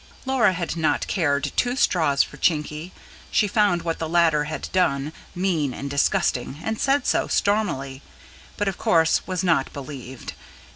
Laura had not cared two straws for Chinky; she found what the latter had done, "mean and disgusting", and said so, stormily; but of course was not believed.